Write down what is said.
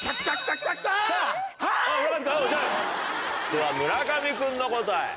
では村上君の答え。